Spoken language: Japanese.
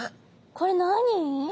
これ何？